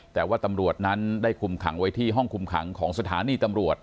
แต่ว่าตำรวจนั้นได้คุมขังไว้ที่ห้องคุมขังของสถานีตำรวจ